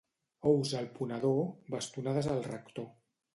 Ous al ponedor, bastonades al rector.